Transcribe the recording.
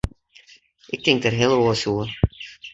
Ik tink der heel oars oer.